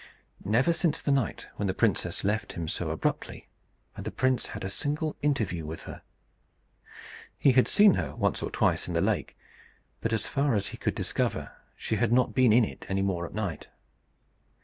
Never since the night when the princess left him so abruptly had the prince had a single interview with her. He had seen her once or twice in the lake; but as far as he could discover, she had not been in it any more at night.